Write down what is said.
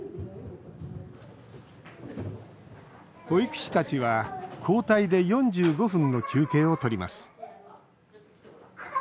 保育士たちは交代で４５分の休憩をとります。